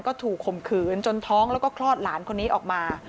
ก็ถูกข่มขืนจนท้องแล้วก็คลอดหลานคนนี้ออกมา